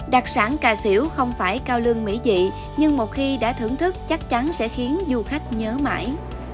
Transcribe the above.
đặc sản cà xỉu không phải cao lương mỹ dị nhưng một khi đã thưởng thức chắc chắn sẽ khiến du khách nhớ mãi